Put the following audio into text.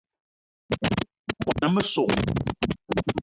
Za a te kwuan a messong?